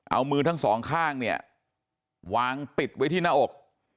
เอามือทั้งสองข้างเนี่ยวางปิดไว้ที่หน้าอก